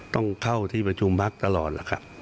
ต้องเข้าที่ประชุมพักตลอดล่ะครับ